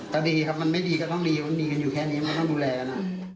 ก็ดีครับมันไม่ดีก็ต้องดีมันดีกันอยู่แค่นี้ไม่ต้องดูแลนะ